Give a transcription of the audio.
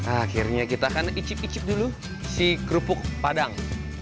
akhirnya kita akan icip icip dulu si kerupuk padang